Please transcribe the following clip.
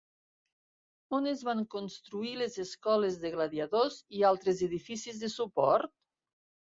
On es van construir les escoles de gladiadors i altres edificis de suport?